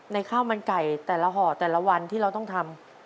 ข้าวมันไก่แต่ละห่อแต่ละวันที่เราต้องทำ